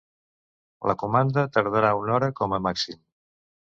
La comanda tardarà una hora com a màxim.